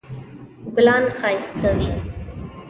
ګلان ښایسته وي